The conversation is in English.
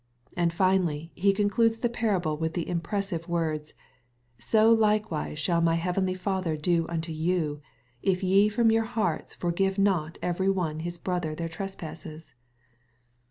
And finally, he concludes the parable with the impressive words, " so likewise shall my heavenly Father do unto you, if ye from your hearts forgive not every one his brother their trespasses."